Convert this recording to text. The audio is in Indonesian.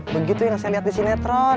begitu yang saya lihat di sinetron